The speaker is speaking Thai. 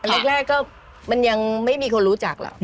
แรกก็มันยังไม่มีคนรู้จักหรอก